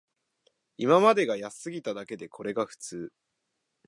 今までが安すぎただけで、これが普通